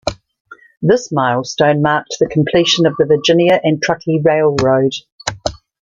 This milestone marked the completion of the Virginia and Truckee Railroad.